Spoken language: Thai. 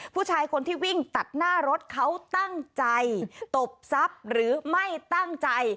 ผู้ชายคนที่วิ่งตัดหน้ารถเขาตั้งใจตบทรัพย์หรือไม่ตั้งใจ